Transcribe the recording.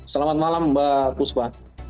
selamat malam mbak kuspa